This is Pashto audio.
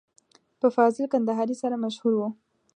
په فاضل کندهاري سره مشهور و.